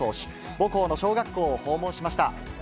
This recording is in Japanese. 母校の小学校を訪問しました。